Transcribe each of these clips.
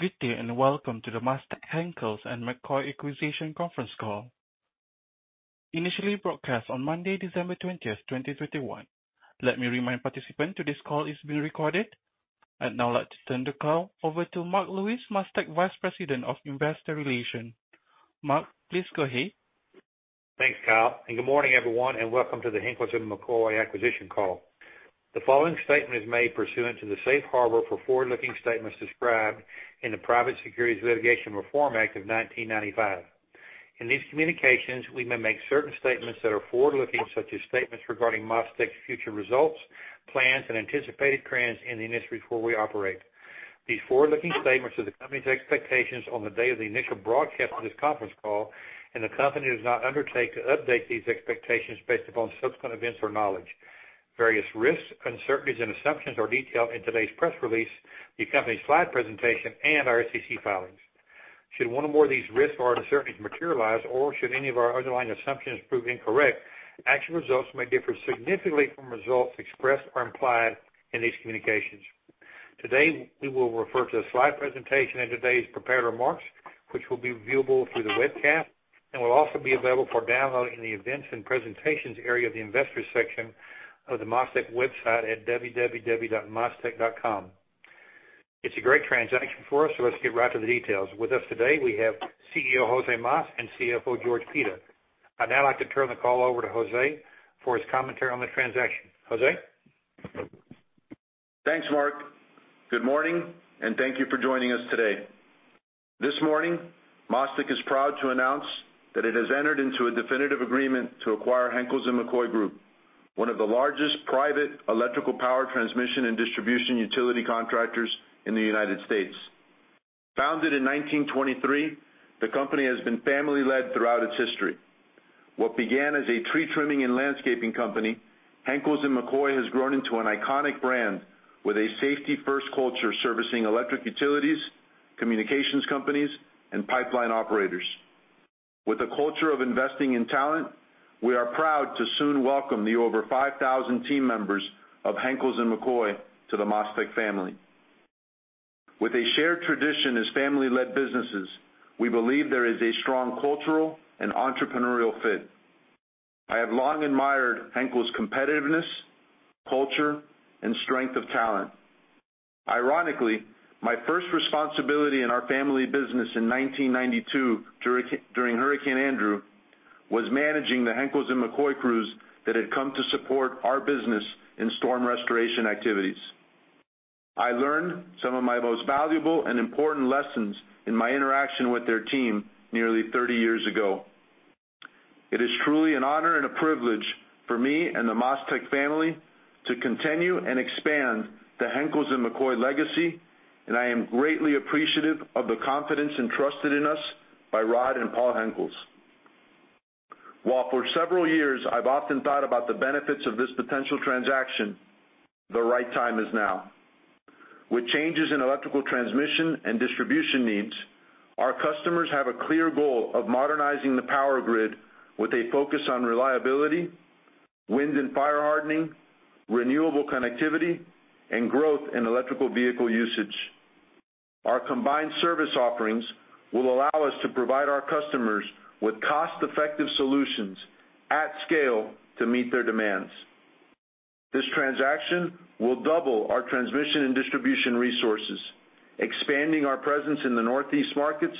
Good day, and welcome to the MasTec Henkels & McCoy Acquisition Conference Call. Initially broadcast on Monday, 20 December 2021. Let me remind participants today's call is being recorded. I'd now like to turn the call over to Marc Lewis, MasTec Vice President of Investor Relations. Mark, please go ahead. Thanks, Kyle, and good morning, everyone, and welcome to the Henkels & McCoy Acquisition call. The following statement is made pursuant to the safe harbor for forward-looking statements described in the Private Securities Litigation Reform Act of 1995. In these communications, we may make certain statements that are forward-looking, such as statements regarding MasTec's future results, plans and anticipated trends in the industries where we operate. These forward-looking statements are the company's expectations on the day of the initial broadcast of this conference call and the company does not undertake to update these expectations based upon subsequent events or knowledge. Various risks, uncertainties, and assumptions are detailed in today's press release, the company's slide presentation and our SEC filings. Should one or more of these risks or uncertainties materialize or should any of our underlying assumptions prove incorrect, actual results may differ significantly from results expressed or implied in these communications. Today, we will refer to the slide presentation in today's prepared remarks which will be viewable through the webcast and will also be available for download in the Events and Presentations area of the Investors section of the MasTec website at www.mastec.com. It's a great transaction for us, so let's get right to the details. With us today, we have CEO, Jose Mas, and CFO, George Pita. I'd now like to turn the call over to Jose for his commentary on the transaction. Jose? Thanks, Mark. Good morning, and thank you for joining us today. This morning, MasTec is proud to announce that it has entered into a definitive agreement to acquire Henkels & McCoy Group, one of the largest private electrical power transmission and distribution utility contractors in the United States. Founded in 1923, the company has been family-led throughout its history. What began as a tree trimming and landscaping company, Henkels & McCoy has grown into an iconic brand with a safety-first culture servicing electric utilities, communications companies and pipeline operators. With a culture of investing in talent, we are proud to soon welcome the over 5,000 team members of Henkels & McCoy to the MasTec family. With a shared tradition as family-led businesses, we believe there is a strong cultural and entrepreneurial fit. I have long admired Henkels & McCoy's competitiveness, culture and strength of talent. Ironically, my first responsibility in our family business in 1992 during Hurricane Andrew was managing the Henkels & McCoy crews that had come to support our business in storm restoration activities. I learned some of my most valuable and important lessons in my interaction with their team nearly 30 years ago. It is truly an honor and a privilege for me and the MasTec family to continue and expand the Henkels & McCoy legacy and I am greatly appreciative of the confidence entrusted in us by Rod and Paul Henkels. While for several years, I've often thought about the benefits of this potential transaction, the right time is now. With changes in electrical transmission and distribution needs, our customers have a clear goal of modernizing the power grid with a focus on reliability, wind and fire hardening, renewable connectivity and growth in electrical vehicle usage. Our combined service offerings will allow us to provide our customers with cost-effective solutions at scale to meet their demands. This transaction will double our transmission and distribution resources, expanding our presence in the Northeast markets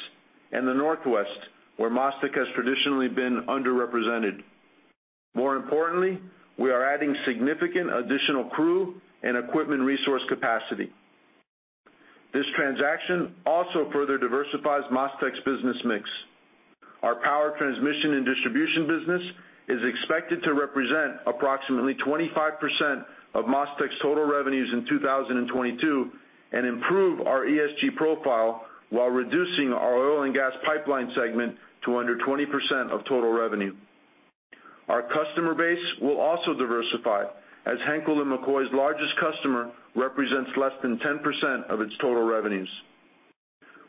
and the Northwest, where MasTec has traditionally been underrepresented. More importantly, we are adding significant additional crew and equipment resource capacity. This transaction also further diversifies MasTec's business mix. Our power transmission and distribution business is expected to represent approximately 25% of MasTec's total revenues in 2022 and improve our ESG profile while reducing our oil and gas pipeline segment to under 20% of total revenue. Our customer base will also diversify, as Henkels & McCoy's largest customer represents less than 10% of its total revenues.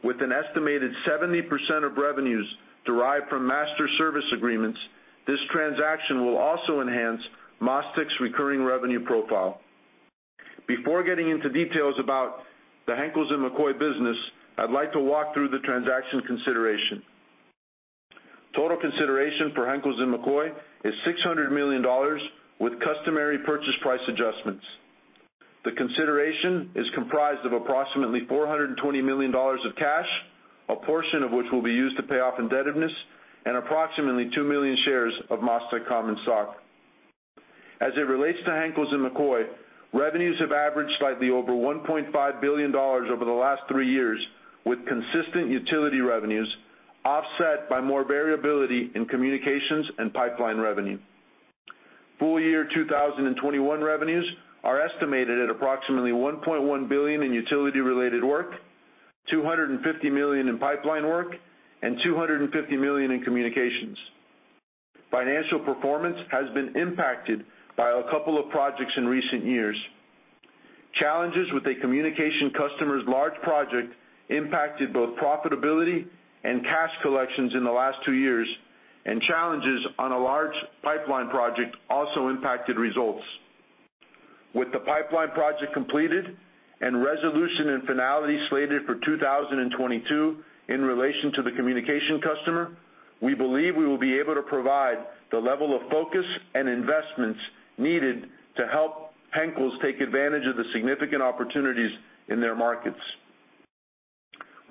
With an estimated 70% of revenues derived from master service agreements, this transaction will also enhance MasTec's recurring revenue profile. Before getting into details about the Henkels & McCoy business, I'd like to walk through the transaction consideration. Total consideration for Henkels & McCoy is $600 million with customary purchase price adjustments. The consideration is comprised of approximately $420 million of cash, a portion of which will be used to pay off indebtedness, and approximately 2 million shares of MasTec common stock. As it relates to Henkels & McCoy, revenues have averaged slightly over $1.5 billion over the last three years, with consistent utility revenues offset by more variability in communications and pipeline revenue. Full year 2021 revenues are estimated at approximately $1.1 billion in utility-related work, $250 million in pipeline work and $250 million in communications. Financial performance has been impacted by a couple of projects in recent years. Challenges with a communication customer's large project impacted both profitability and cash collections in the last two years, and challenges on a large pipeline project also impacted results. With the pipeline project completed and resolution and finality slated for 2022 in relation to the communication customer, we believe we will be able to provide the level of focus and investments needed to help Henkels take advantage of the significant opportunities in their markets.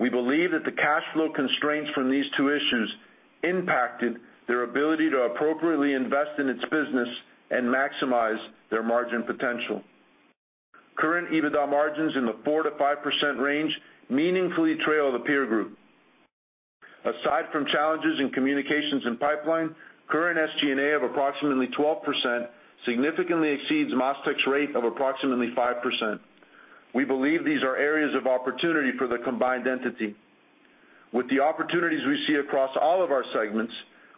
We believe that the cash flow constraints from these two issues impacted their ability to appropriately invest in its business and maximize their margin potential. Current EBITDA margins in the 4%-5% range meaningfully trail the peer group. Aside from challenges in communications and pipeline, current SG&A of approximately 12% significantly exceeds MasTec's rate of approximately 5%. We believe these are areas of opportunity for the combined entity. With the opportunities we see across all of our segments,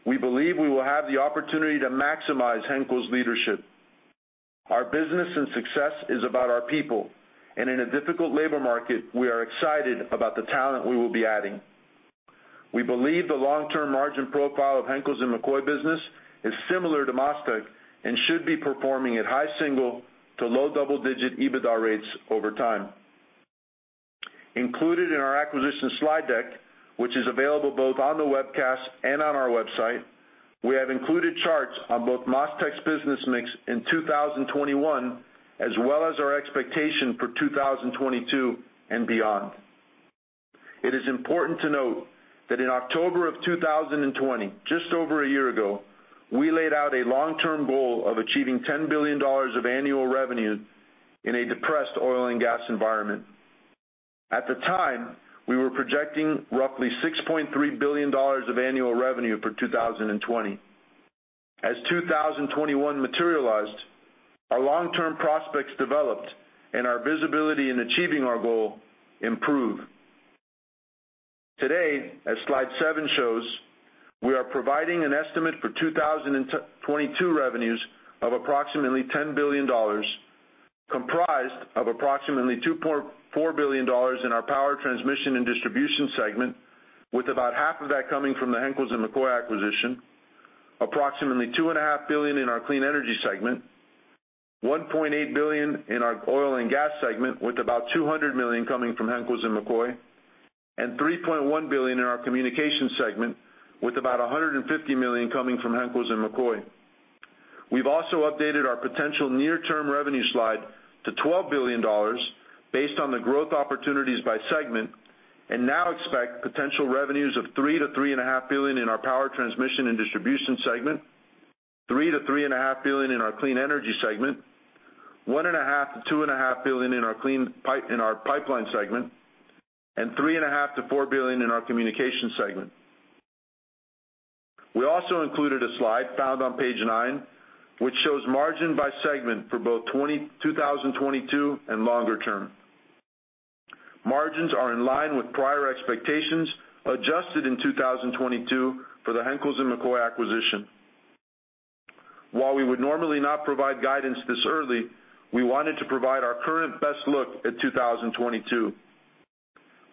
we believe we will have the opportunity to maximize Henkels leadership. Our business and success is about our people and in a difficult labor market, we are excited about the talent we will be adding. We believe the long-term margin profile of Henkels & McCoy business is similar to MasTec, and should be performing at high single to low double-digit EBITDA rates over time. Included in our acquisition slide deck which is available both on the webcast and on our website, we have included charts on both MasTec's business mix in 2021, as well as our expectation for 2022 and beyond. It is important to note that in October 2020, just over a year ago, we laid out a long-term goal of achieving $10 billion of annual revenue in a depressed oil and gas environment. At the time, we were projecting roughly $6.3 billion of annual revenue for 2020. As 2021 materialized, our long-term prospects developed and our visibility in achieving our goal improved. Today, as slide seven shows, we are providing an estimate for 2022 revenues of approximately $10 billion, comprised of approximately $2.4 billion in our power transmission and distribution segment with about half of that coming from the Henkels & McCoy acquisition. Approximately $2.5 billion in our clean energy segment, $1.8 billion in our oil and gas segment with about $200 million coming from Henkels & McCoy and $3.1 billion in our communications segment with about $150 million coming from Henkels & McCoy. We've also updated our potential near-term revenue slide to $12 billion based on the growth opportunities by segment and now expect potential revenues of $3 billion-$3.5 billion in our power transmission and distribution segment, $3 billion-$3.5 billion in our clean energy segment, $1.5 billion-$2.5 billion in our pipeline segment, and $3.5 billion-$4 billion in our communications segment. We also included a slide found on page nine, which shows margin by segment for both 2022 and longer term. Margins are in line with prior expectations, adjusted in 2022 for the Henkels & McCoy acquisition. While we would normally not provide guidance this early, we wanted to provide our current best look at 2022.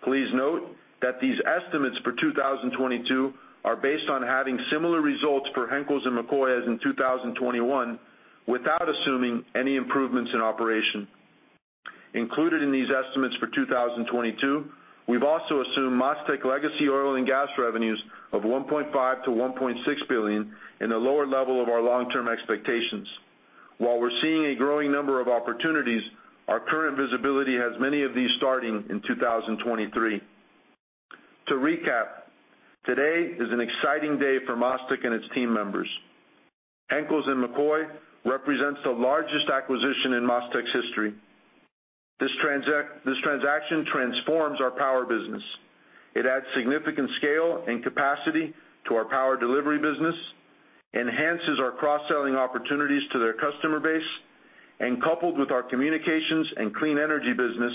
Please note that these estimates for 2022 are based on having similar results for Henkels & McCoy as in 2021, without assuming any improvements in operation. Included in these estimates for 2022, we've also assumed MasTec legacy oil and gas revenues of $1.5 billion-$1.6 billion in the lower level of our long-term expectations. While we're seeing a growing number of opportunities, our current visibility has many of these starting in 2023. To recap, today is an exciting day for MasTec and its team members. Henkels & McCoy represents the largest acquisition in MasTec's history. This transaction transforms our power business. It adds significant scale and capacity to our power delivery business, enhances our cross-selling opportunities to their customer base and coupled with our communications and clean energy business,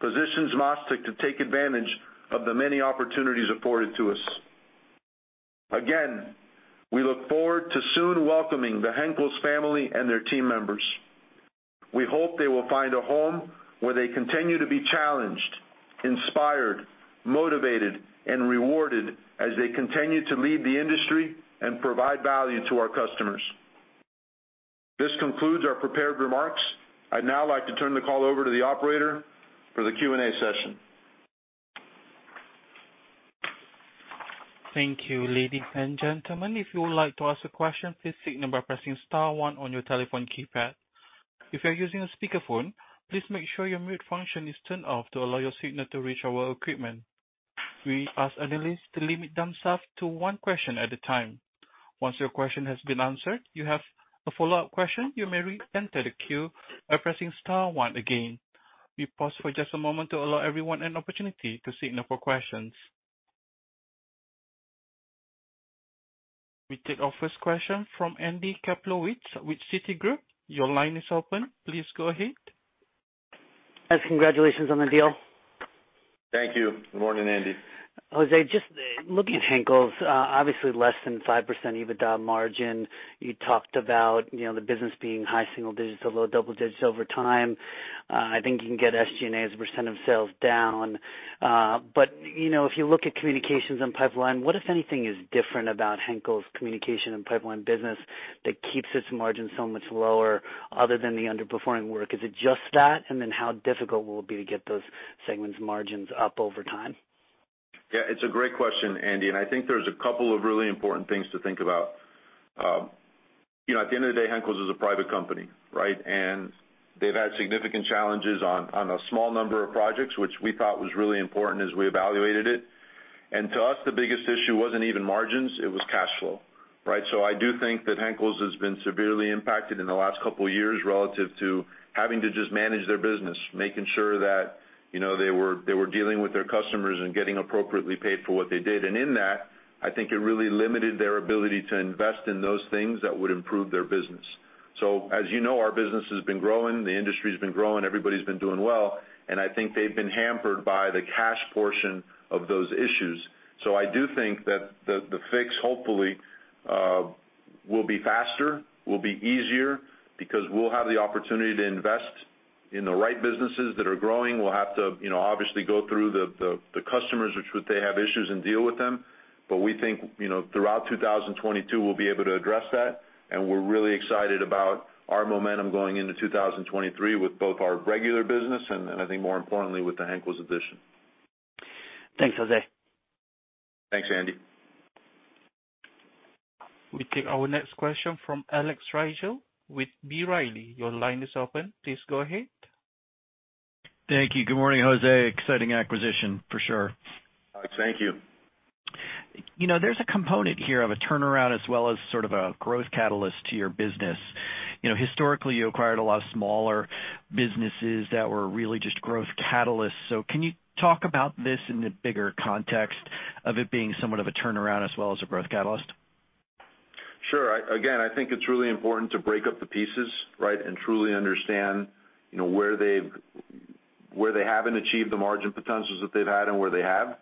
positions MasTec to take advantage of the many opportunities afforded to us. Again, we look forward to soon welcoming the Henkels family and their team members. We hope they will find a home where they continue to be challenged, inspired, motivated and rewarded as they continue to lead the industry and provide value to our customers. This concludes our prepared remarks. I'd now like to turn the call over to the operator for the Q&A session. Thank you, ladies and gentlemen. If you would like to ask a question, please signal by pressing star one on your telephone keypad. If you're using a speakerphone, please make sure your mute function is turned off to allow your signal to reach our equipment. We ask analysts to limit themselves to one question at a time. Once your question has been answered, you have a follow-up question, you may re-enter the queue by pressing star one again. We pause for just a moment to allow everyone an opportunity to signal for questions. We take our first question from Andy Kaplowitz with Citigroup. Your line is open. Please go ahead. Yes, congratulations on the deal. Thank you. Good morning, Andy. Jose, just looking at Henkels, obviously less than 5% EBITDA margin. You talked about the business being high single digits to low double digits over time. I think you can get SG&A as a percent of sales down. You know, if you look at communications and pipeline, what if anything is different about Henkels communication and pipeline business that keeps its margin so much lower other than the underperforming work? Is it just that? Then how difficult will it be to get those segments margins up over time? Yeah, it's a great question, Andy, and I think there's a couple of really important things to think about. You know, at the end of the day, Henkels is a private company, right? They've had significant challenges on a small number of projects which we thought was really important as we evaluated it. To us, the biggest issue wasn't even margins, it was cash flow, right? I do think that Henkels has been severely impacted in the last couple of years relative to having to just manage their business, making sure that, you know, they were dealing with their customers and getting appropriately paid for what they did. In that, I think it really limited their ability to invest in those things that would improve their business. As you know, our business has been growing, the industry's been growing, everybody's been doing well and I think they've been hampered by the cash portion of those issues. I do think that the fix hopefully will be faster, will be easier because we'll have the opportunity to invest in the right businesses that are growing. We'll have to, you know, obviously go through the customers which would they have issues and deal with them. We think, you know, throughout 2022 we'll be able to address that. We're really excited about our momentum going into 2023 with both our regular business and I think more importantly, with the Henkels addition. Thanks, Jose. Thanks, Andy. We take our next question from Alex Rygiel with B. Riley. Your line is open. Please go ahead. Thank you. Good morning, Jose. Exciting acquisition for sure. Thank you. You know, there's a component here of a turnaround as well as sort of a growth catalyst to your business. You know, historically, you acquired a lot of smaller businesses that were really just growth catalysts. Can you talk about this in the bigger context of it being somewhat of a turnaround as well as a growth catalyst? Sure. Again, I think it's really important to break up the pieces, right, and truly understand, you know, where they haven't achieved the margin potentials that they've had and where they have.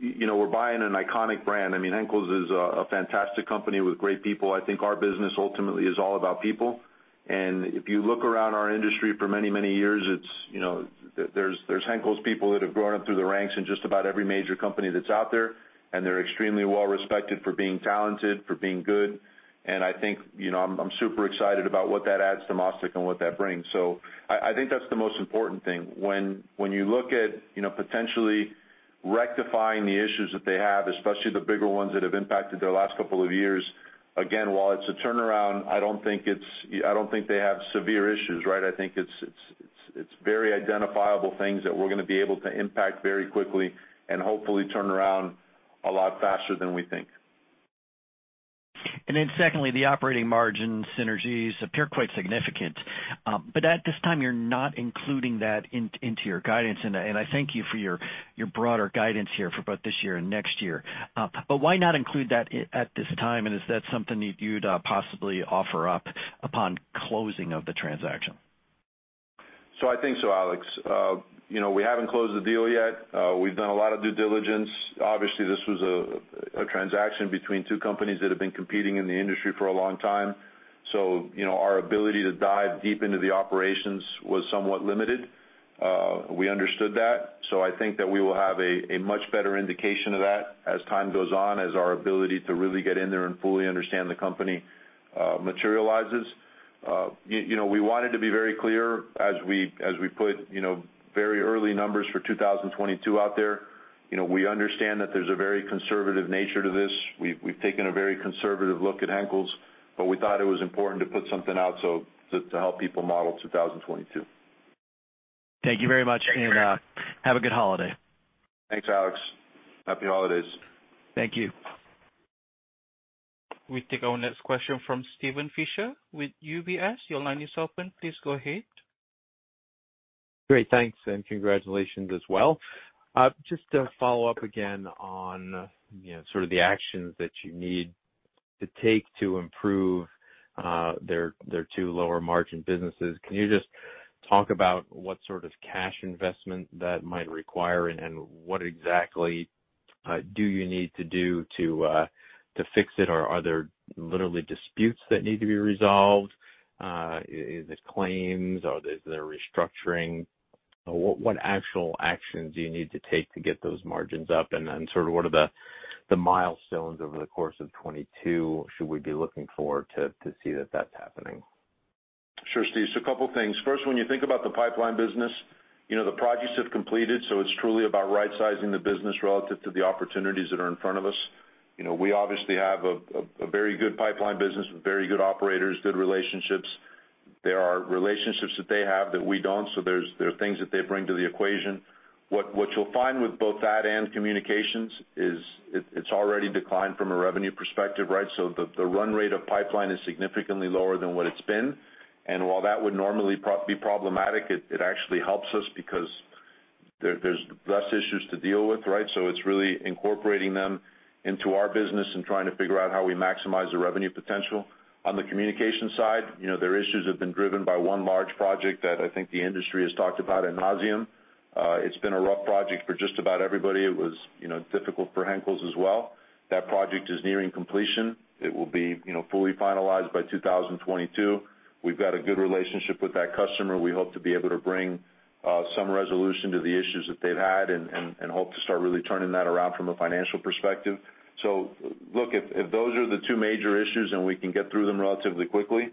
You know, we're buying an iconic brand. I mean, Henkels is a fantastic company with great people. I think our business ultimately is all about people. If you look around our industry for many, many years, it's, you know, there's Henkels people that have grown up through the ranks in just about every major company that's out there and they're extremely well respected for being talented, for being good. I think, you know, I'm super excited about what that adds to MasTec and what that brings. I think that's the most important thing. When you look at, you know, potentially rectifying the issues that they have, especially the bigger ones that have impacted their last couple of years, again, while it's a turnaround, I don't think they have severe issues, right? I think it's very identifiable things that we're gonna be able to impact very quickly and hopefully turn around a lot faster than we think. Then secondly, the operating margin synergies appear quite significant but at this time, you're not including that into your guidance. I thank you for your broader guidance here for both this year and next year. Why not include that at this time? Is that something that you'd possibly offer up upon closing of the transaction? I think so, Alex. You know, we haven't closed the deal yet. We've done a lot of due diligence. Obviously, this was a transaction between two companies that have been competing in the industry for a long time. You know, our ability to dive deep into the operations was somewhat limited. We understood that. I think that we will have a much better indication of that as time goes on, as our ability to really get in there and fully understand the company materializes. You know, we wanted to be very clear as we put you know very early numbers for 2022 out there. You know, we understand that there's a very conservative nature to this. We've taken a very conservative look at Henkels, but we thought it was important to put something out so to help people model 2022. Thank you very much. Thank you. Have a good holiday. Thanks, Alex. Happy holidays. Thank you. We take our next question from Steven Fisher with UBS. Your line is open. Please go ahead. Great. Thanks, and congratulations as well. Just to follow up again on, you know, sort of the actions that you need to take to improve their two lower margin businesses. Can you just talk about what cash investment that might require and what exactly do you need to do to fix it or are there literally disputes that need to be resolved? Is it claims? Is there restructuring? What actual actions do you need to take to get those margins up? What are the milestones over the course of 2022 should we be looking for to see that that's happening? Sure, Steve. A couple of things. First, when you think about the pipeline business, you know, the projects have completed so it's truly about rightsizing the business relative to the opportunities that are in front of us. You know, we obviously have a very good pipeline business with very good operators, good relationships. There are relationships that they have that we don't. There are things that they bring to the equation. What you'll find with both that and communications is it's already declined from a revenue perspective, right? The run rate of pipeline is significantly lower than what it's been. While that would normally be problematic, it actually helps us because there's less issues to deal with, right? It's really incorporating them into our business and trying to figure out how we maximize the revenue potential. On the communication side, you know, their issues have been driven by one large project that I think the industry has talked about ad nauseam. It's been a rough project for just about everybody. It was, you know, difficult for Henkels as well. That project is nearing completion. It will be, you know, fully finalized by 2022. We've got a good relationship with that customer. We hope to be able to bring some resolution to the issues that they've had and hope to start really turning that around from a financial perspective. Look, if those are the two major issues and we can get through them relatively quickly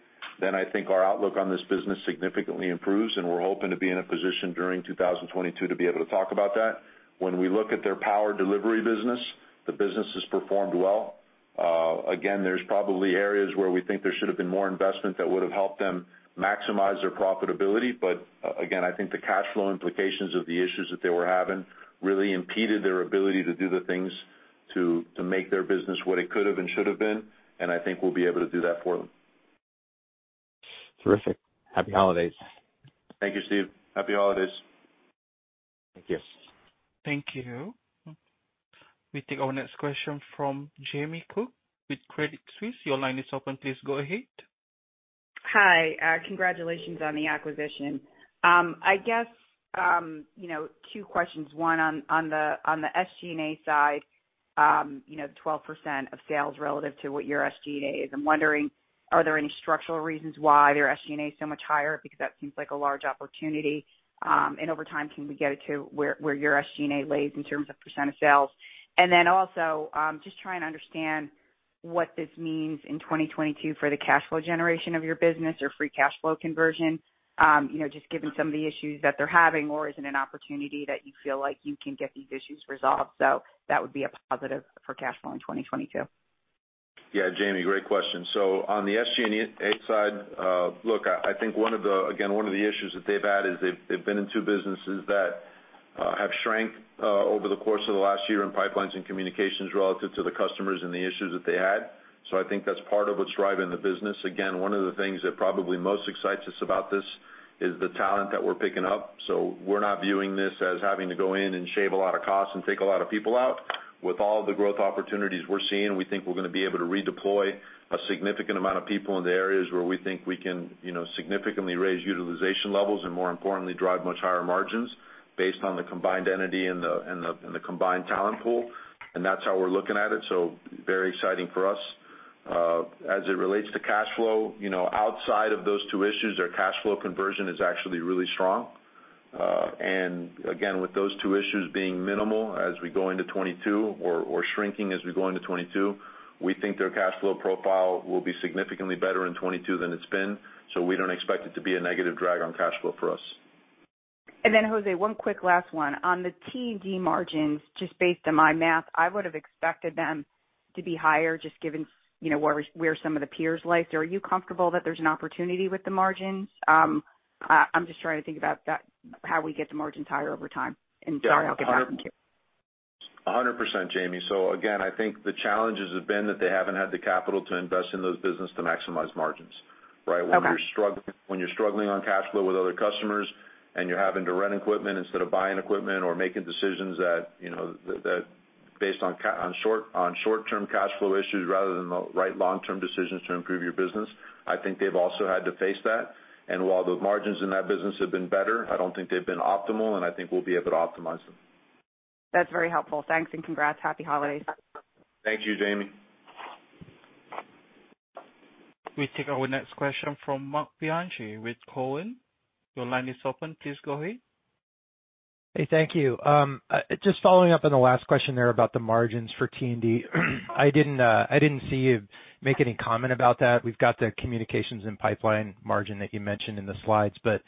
then I think our outlook on this business significantly improves and we're hoping to be in a position during 2022 to be able to talk about that. When we look at their power delivery business, the business has performed well. Again, there's probably areas where we think there should have been more investment that would have helped them maximize their profitability. But again, I think the cash flow implications of the issues that they were having really impeded their ability to do the things to make their business what it could have and should have been, and I think we'll be able to do that for them. Terrific. Happy holidays. Thank you, Steven. Happy holidays. Thank you. Thank you. We take our next question from Jamie Cook with Credit Suisse. Your line is open. Please go ahead. Hi, congratulations on the acquisition. I guess, you know, two questions. One on the SG&A side, you know, 12% of sales relative to what your SG&A is. I'm wondering, are there any structural reasons why their SG&A is so much higher? Because that seems like a large opportunity. And over time, can we get it to where your SG&A lies in terms of percent of sales? And then also, just trying to understand what this means in 2022 for the cash flow generation of your business, your free cash flow conversion, you know, just given some of the issues that they're having or is it an opportunity that you feel like you can get these issues resolved so that would be a positive for cash flow in 2022? Yeah. Jamie, great question. On the SG&A side, look, I think one of the issues again that they've had is they've been in two businesses that have shrank over the course of the last year in pipelines and communications relative to the customers and the issues that they had. I think that's part of what's driving the business. Again, one of the things that probably most excites us about this is the talent that we're picking up. We're not viewing this as having to go in and shave a lot of costs and take a lot of people out. With all the growth opportunities we're seeing, we think we're gonna be able to redeploy a significant amount of people in the areas where we think we can, you know, significantly raise utilization levels and more importantly drive much higher margins based on the combined entity and the combined talent pool and that's how we're looking at it. Very exciting for us. As it relates to cash flow, you know, outside of those two issues, their cash flow conversion is actually really strong. Again, with those two issues being minimal as we go into 2022 or shrinking as we go into 2022, we think their cash flow profile will be significantly better in 2022 than it's been, so we don't expect it to be a negative drag on cash flow for us. Then, José, one quick last one. On the T&D margins, just based on my math, I would have expected them to be higher just given, you know, where some of the peers lie. Are you comfortable that there's an opportunity with the margins? I'm just trying to think about that, how we get the margins higher over time. Sorry, I'll give that back to you. 100%, Jamie. Again, I think the challenges have been that they haven't had the capital to invest in those business to maximize margins, right? Okay. When you're struggling on cash flow with other customers and you're having to rent equipment instead of buying equipment or making decisions that based on short-term cash flow issues rather than the right long-term decisions to improve your business, I think they've also had to face that. While the margins in that business have been better, I don't think they've been optimal and I think we'll be able to optimize them. That's very helpful. Thanks, and congrats. Happy holidays. Thank you, Jamie. We take our next question from Marc Bianchi with Cowen. Your line is open. Please go ahead. Hey, thank you. Just following up on the last question there about the margins for T&D. I didn't see you make any comment about that. We've got the communications and pipeline margin that you mentioned in the slides but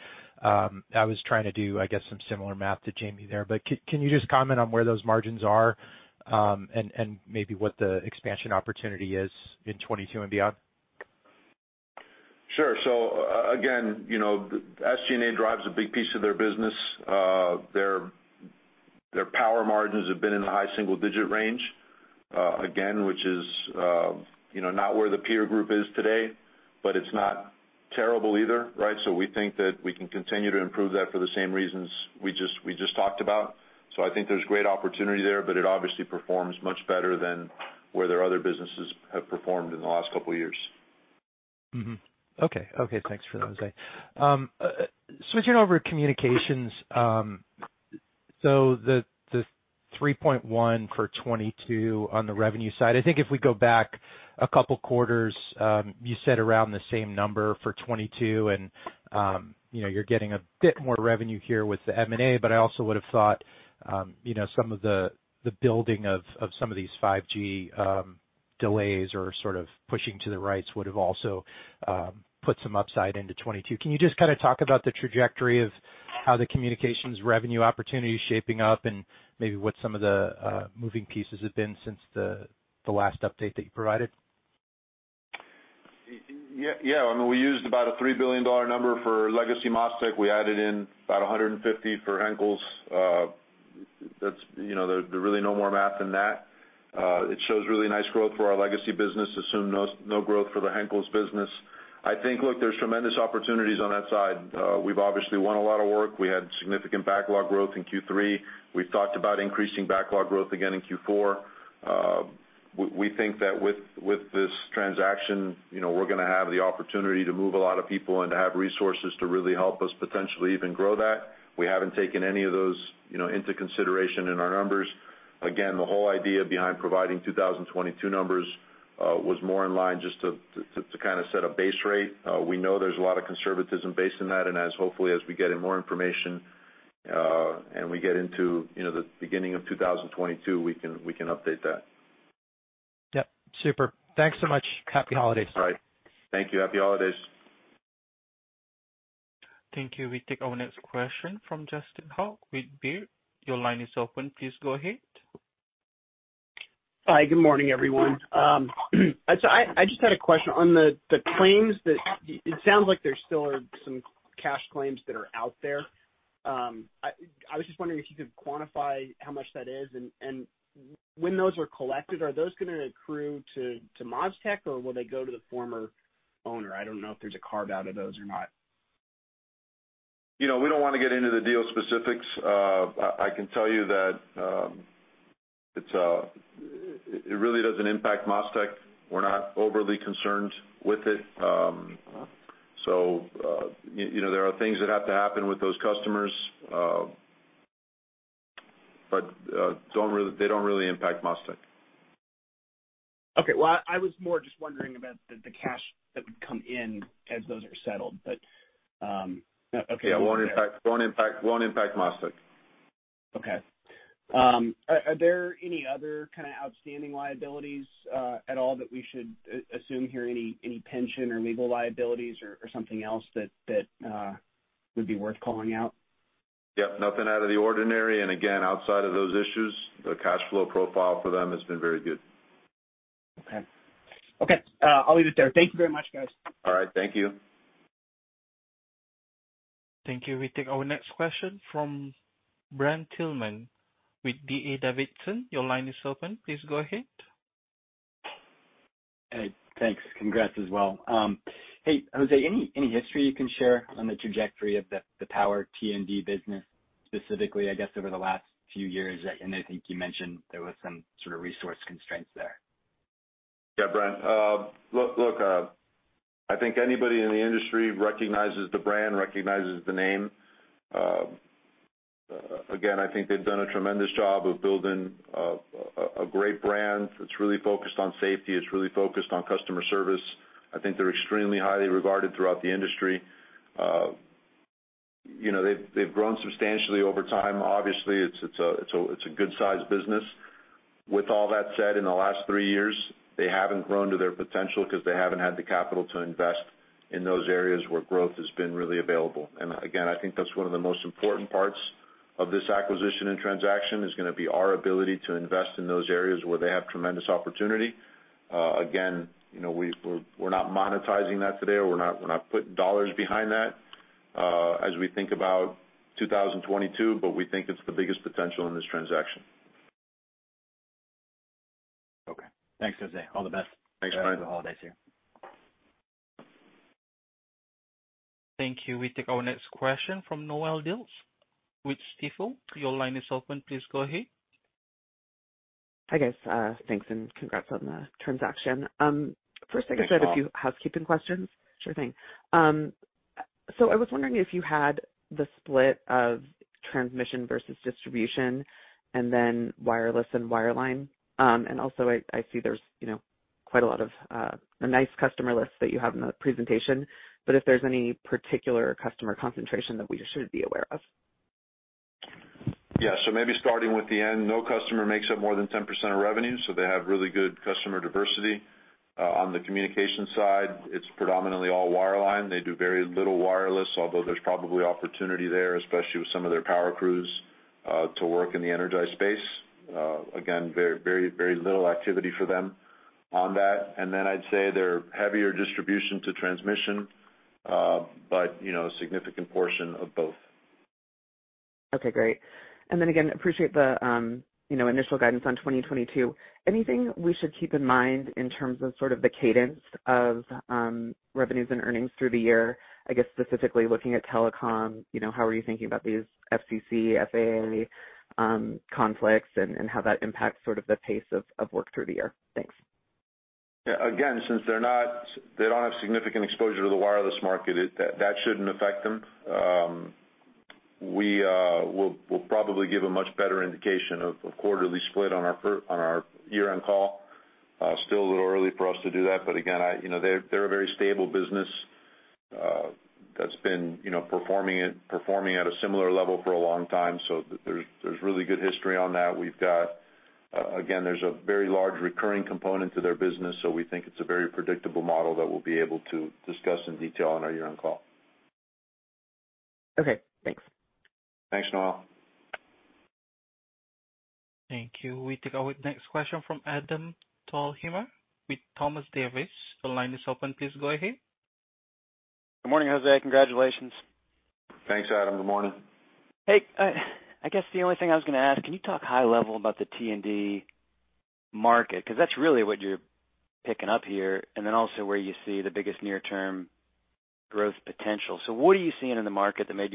I was trying to do, I guess, some similar math to Jamie there. Can you just comment on where those margins are and maybe what the expansion opportunity is in 2022 and beyond? Again, you know, SG&A drives a big piece of their business. Their power margins have been in the high single-digit range, again, which is not where the peer group is today but it's not terrible either, right? We think that we can continue to improve that for the same reasons we just talked about. I think there's great opportunity there but it obviously performs much better than where their other businesses have performed in the last couple of years. Okay. Okay, thanks for that, Jose. Switching over to communications, the 3.1 for 2022 on the revenue side, I think if we go back a couple quarters, you said around the same number for 2022 and, you know, you're getting a bit more revenue here with the M&A but I also would have thought, you know, some of the building of some of these 5G delays or sort of pushing to the right would have also put some upside into 2022. Can you just kind of talk about the trajectory of how the communications revenue opportunity is shaping up and maybe what some of the moving pieces have been since the last update that you provided? Yeah. I mean, we used about a $3 billion number for legacy MasTec. We added in about $150 million for Henkels. That's, you know, there really no more math than that. It shows really nice growth for our legacy business. Assume no growth for the Henkels business. I think, look, there's tremendous opportunities on that side. We've obviously won a lot of work. We had significant backlog growth in Q3. We've talked about increasing backlog growth again in Q4. We think that with this transaction, you know, we're gonna have the opportunity to move a lot of people and to have resources to really help us potentially even grow that. We haven't taken any of those, you know, into consideration in our numbers. Again, the whole idea behind providing 2022 numbers was more in line just to kind of set a base rate. We know there's a lot of conservatism based on that. As hopefully as we get in more information and we get into, you know, the beginning of 2022, we can update that. Yep, super. Thanks so much. Happy holidays. All right. Thank you. Happy holidays. Thank you. We take our next question from Justin Hauke with Baird. Your line is open. Please go ahead. Hi, good morning, everyone. I just had a question on the claims that it sounds like there still are some cash claims that are out there. I was just wondering if you could quantify how much that is and when those are collected, are those gonna accrue to MasTec, or will they go to the former owner? I don't know if there's a carve out of those or not. You know, we don't wanna get into the deal specifics. I can tell you that it really doesn't impact MasTec. We're not overly concerned with it. You know, there are things that have to happen with those customers but they don't really impact MasTec. Okay. Well, I was more just wondering about the cash that would come in as those are settled. Okay. Yeah. Won't impact MasTec. Okay. Are there any other kinda outstanding liabilities at all that we should assume here, any pension or legal liabilities or something else that would be worth calling out? Yep, nothing out of the ordinary. Again, outside of those issues, the cash flow profile for them has been very good. Okay. Okay, I'll leave it there. Thank you very much, guys. All right, thank you. Thank you. We take our next question from Brent Thielman with D.A. Davidson. Your line is open. Please go ahead. Hey, thanks. Congrats as well. Hey, Jose, any history you can share on the trajectory of the power T&D business specifically, I guess, over the last few years? And I think you mentioned there was some sort of resource constraints there. Yeah, Brent. Look, I think anybody in the industry recognizes the brand, recognizes the name. Again, I think they've done a tremendous job of building a great brand that's really focused on safety. It's really focused on customer service. I think they're extremely highly regarded throughout the industry. You know, they've grown substantially over time. Obviously, it's a good-sized business. With all that said, in the last three years, they haven't grown to their potential because they haven't had the capital to invest in those areas where growth has been really available. Again, I think that's one of the most important parts of this acquisition and transaction is gonna be our ability to invest in those areas where they have tremendous opportunity. Again, you know, we're not monetizing that today or we're not putting dollars behind that, as we think about 2022 but we think it's the biggest potential in this transaction. Okay. Thanks, Jose. All the best. Thanks, Brent. Happy holidays to you. Thank you. We take our next question from Noelle Dilts with Stifel. Your line is open. Please go ahead. Hi, guys. Thanks, and congrats on the transaction. First- Thanks, Noelle. I just had a few housekeeping questions. Sure thing. I was wondering if you had the split of transmission versus distribution and then wireless and wireline. Also, I see there's, you know, quite a lot of a nice customer list that you have in the presentation but if there's any particular customer concentration that we should be aware of? Yeah. Maybe starting with the end, no customer makes up more than 10% of revenue, so they have really good customer diversity. On the communication side, it's predominantly all wireline. They do very little wireless, although there's probably opportunity there especially with some of their power crews to work in the energized space. Again, very little activity for them on that. I'd say they're heavier distribution to transmission but, you know, a significant portion of both. Okay, great. Again, appreciate the, you know, initial guidance on 2022. Anything we should keep in mind in terms of sort of the cadence of revenues and earnings through the year? I guess, specifically looking at telecom, you know, how are you thinking about these FCC, FAA conflicts and how that impacts sort of the pace of work through the year? Thanks. Yeah. Again, since they don't have significant exposure to the wireless market, that shouldn't affect them. We will probably give a much better indication of quarterly split on our year-end call. Still a little early for us to do that but again, you know, they're a very stable business that's been performing at a similar level for a long time. So there's really good history on that. We've got again, there's a very large recurring component to their business so we think it's a very predictable model that we'll be able to discuss in detail on our year-end call. Okay, thanks. Thanks, Noelle. Thank you. We take our next question from Adam Thalhimer with Thompson Davis. The line is open. Please go ahead. Good morning, Jose. Congratulations. Thanks, Adam. Good morning. Hey, I guess the only thing I was gonna ask, can you talk high level about the T&D market? Because that's really what you're picking up here and then also where you see the biggest near-term growth potential. What are you seeing in the market that made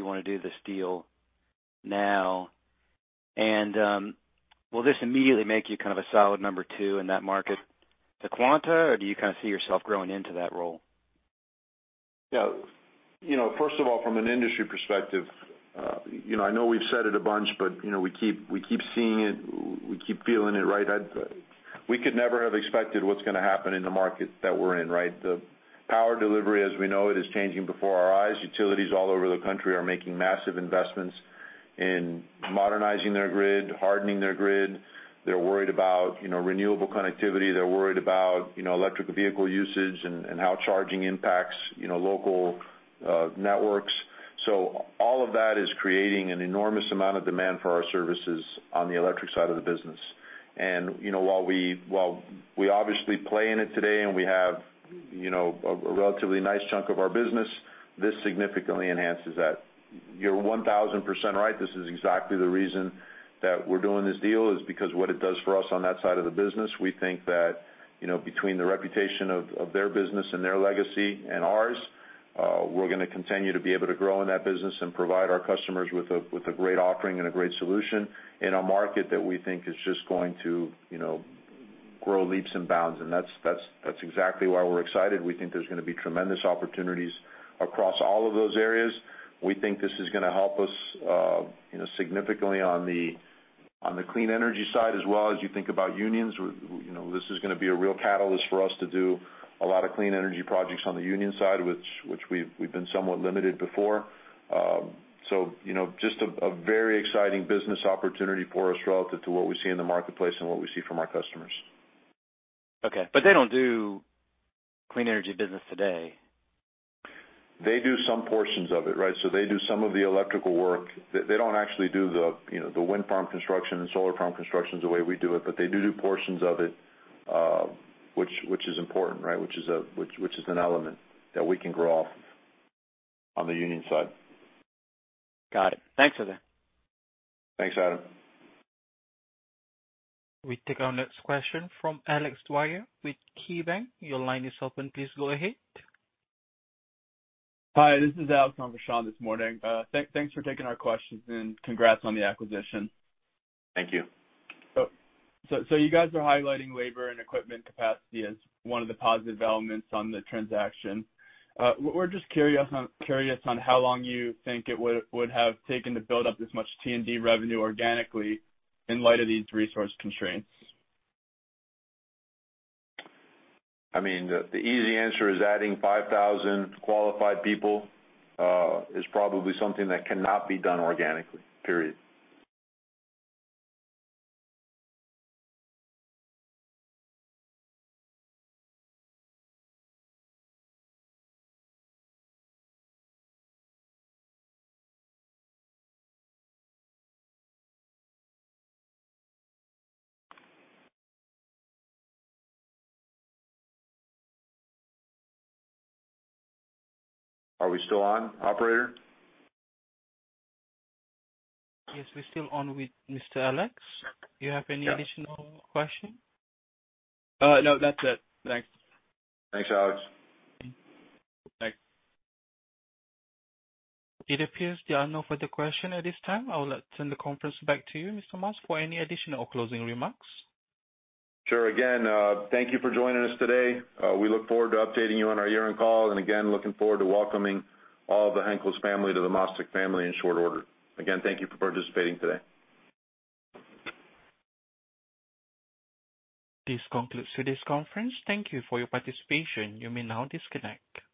you wanna do this deal now? Will this immediately make you kind of a solid number two in that market to Quanta or do you kind of see yourself growing into that role? Yeah. You know, first of all, from an industry perspective, you know, I know we've said it a bunch but, you know, we keep seeing it, we keep feeling it, right? We could never have expected what's gonna happen in the market that we're in, right? The power delivery as we know it is changing before our eyes. Utilities all over the country are making massive investments in modernizing their grid, hardening their grid. They're worried about, you know, renewable connectivity. They're worried about, you know, electric vehicle usage and how charging impacts, you know, local networks. So all of that is creating an enormous amount of demand for our services on the electric side of the business. You know, while we obviously play in it today and we have, you know, a relatively nice chunk of our business, this significantly enhances that. You're 1000% right. This is exactly the reason that we're doing this deal, is because what it does for us on that side of the business. We think that, you know, between the reputation of their business and their legacy and ours, we're gonna continue to be able to grow in that business and provide our customers with a great offering and a great solution in a market that we think is just going to, you know, grow leaps and bounds. That's exactly why we're excited. We think there's gonna be tremendous opportunities across all of those areas. We think this is gonna help us, you know, significantly on the clean energy side as well as you think about unions. You know, this is gonna be a real catalyst for us to do a lot of clean energy projects on the union side which we've been somewhat limited before. You know, just a very exciting business opportunity for us relative to what we see in the marketplace and what we see from our customers. Okay. They don't do clean energy business today? They do some portions of it, right? They do some of the electrical work. They don't actually do the, you know, the wind farm construction and solar farm constructions the way we do it, but they do do portions of it, which is important, right? Which is an element that we can grow off on the union side. Got it. Thanks, Jose Mas. Thanks, Adam. We take our next question from Alex Dwyer with KeyBanc. Your line is open. Please go ahead. Hi, this is Alex on for Sean this morning. Thanks for taking our questions and congrats on the acquisition. Thank you. You guys are highlighting labor and equipment capacity as one of the positive elements on the transaction. We're just curious on how long you think it would have taken to build up this much T&D revenue organically in light of these resource constraints. I mean, the easy answer is adding 5,000 qualified people is probably something that cannot be done organically, period. Are we still on, operator? Yes, we're still on with Mr. Alex. Do you have any additional questions? No, that's it. Thanks. Thanks, Alex. Thanks. It appears there are no further questions at this time. I'll turn the conference back to you, Mr. Mas, for any additional or closing remarks. Sure. Again, thank you for joining us today. We look forward to updating you on our year-end call. Again, looking forward to welcoming all of the Henkels family to the MasTec family in short order. Again, thank you for participating today. This concludes today's conference. Thank you for your participation. You may now disconnect.